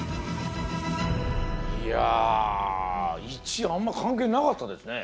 いや位置あんま関係なかったですね。